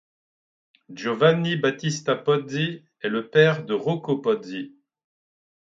Giovanni Battista Pozzi est le père de Rocco Pozzi.